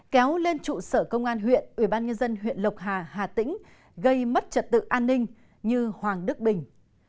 kéo lên trụ sở công an huyện ubnd huyện lộc hà hà tĩnh gây mất trật tự an ninh như hoàng đức bình